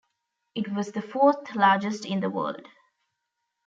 It was the fourth largest in the world.